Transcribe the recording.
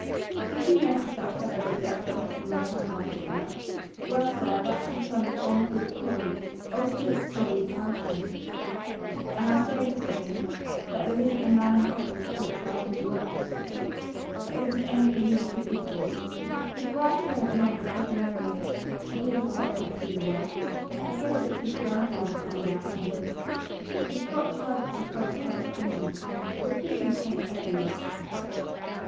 "Did you notice that fellow at the desk facing my type writer girl? Well, sir, that's the son of Bromfield Corey old Phillips Corey's grandson. And I'll say this for him, that there isn't a man in the office that looks after his work better. There isn't anything he's too good for. He's right here at nine every morning, before the clock gets in the word. I guess it's his grandfather coming out in him. He's got charge of the foreign correspondence. We're pushing the paint everywhere."